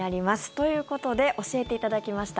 ということで教えていただきました。